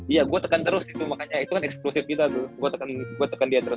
iya gua tekan terus itu makanya itu kan eksklusif gitu gua tekan dia terus